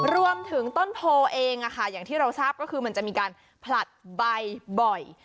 รวมถึงต้นโพเองอย่างที่เราทราบก็คือมันจะมีการผลัดใบบ่อย